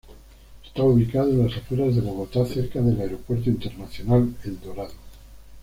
Está ubicado en las afueras de Bogotá, cerca del Aeropuerto Internacional El Dorado.